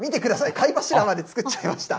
貝柱まで作っちゃいました。